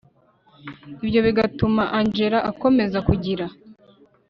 ibyo bigatuma angella akomeza kugira